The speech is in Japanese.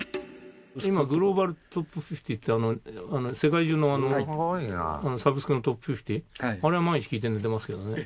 今グローバルトップ５０って世界中のサブスクのトップ５０あれは毎日聴いて寝てますけどね。